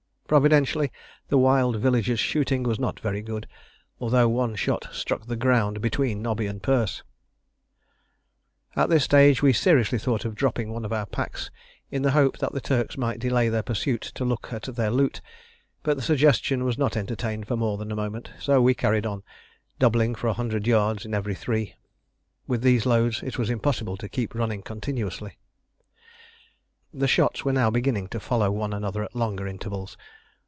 Providentially, the wild villagers' shooting was not very good, although one shot struck the ground between Nobby and Perce. [Illustration: Sketched to Authors' description by Hal Kay. THE FLIGHT FROM MOSES' WELL.] At this stage we seriously thought of dropping one of our packs, in the hope that the Turks might delay their pursuit to look at their loot, but the suggestion was not entertained for more than a moment. So we carried on, doubling for a hundred yards in every three. With these loads it was impossible to keep running continuously. The shots were now beginning to follow one another at longer intervals.